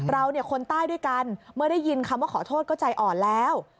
เราเนี่ยคนใต้ด้วยกันเมื่อได้ยินคำว่าขอโทษก็ใจอ่อนแล้ว